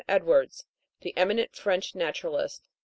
Edwards, the emi nent French naturalist.